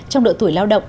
trong độ tuổi lao động